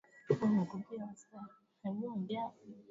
Nilitaka kuchukua kila kitu nitoweke lakini sikuwa na nguvu